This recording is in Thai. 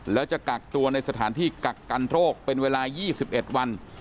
แล้วจะกักตัวในสถานที่กักกันโรคเป็นเวลา๒๑วัน